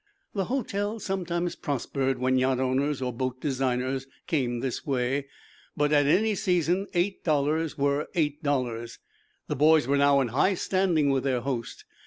The hotel sometimes prospered when yacht owners or boat designers came this way, but at any season eight dollars were eight dollars. The boys were now in high standing with their host.